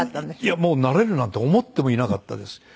もうなれるなんて思ってもいなかったです。